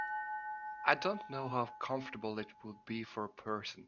I don’t know how comfortable it would be for a person.